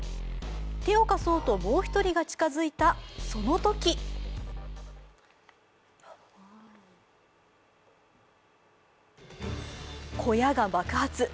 手を貸そうと、もう一人が近づいた、そのとき小屋が爆発。